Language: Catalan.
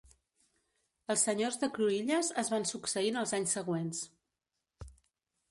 Els senyors de Cruïlles es van succeint els anys següents.